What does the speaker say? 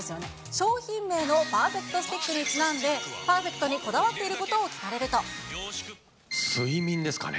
商品名のパーフェクトスティックにちなんで、パーフェクトにこだ睡眠ですかね。